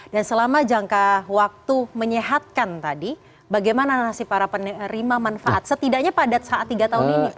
dan selama jangka waktu menyehatkan tadi bagaimana nasib para penerima manfaat setidaknya pada saat tiga tahun ini pak